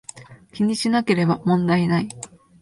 気にしなければ問題無い